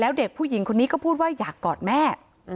แล้วเด็กผู้หญิงคนนี้ก็พูดว่าอยากกอดแม่